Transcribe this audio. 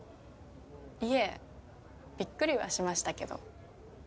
いえびっくりはしましたけど。